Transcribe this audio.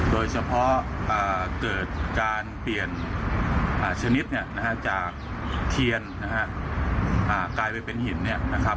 โดยเฉพาะเกิดการเปลี่ยนชนิดจากเทียนกลายไปเป็นหิน